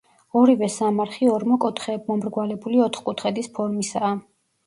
ორივე სამარხი ორმო კუთხეებმომრგვალებული ოთხკუთხედის ფორმისაა.